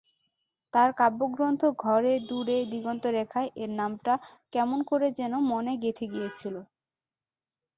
তাঁর কাব্যগ্রন্থ ঘরে দূরে দিগন্তরেখায়-এর নামটা কেমন করে যেন মনে গেঁথে গিয়েছিল।